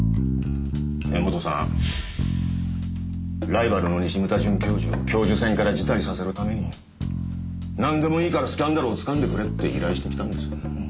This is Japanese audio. ライバルの西牟田准教授を教授選から辞退させるためになんでもいいからスキャンダルを掴んでくれって依頼してきたんです。